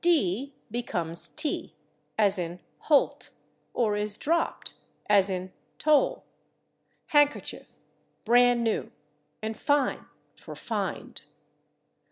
/D/ becomes /t/, as in /holt/, or is dropped, as in /tole/, /han'kerchief/, /bran new/ and /fine/ (for /find